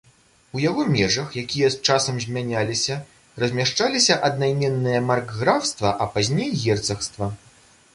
У яго межах, якія з часам змяняліся, размяшчаліся аднайменныя маркграфства, а пазней герцагства.